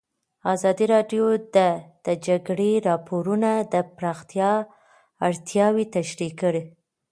ازادي راډیو د د جګړې راپورونه د پراختیا اړتیاوې تشریح کړي.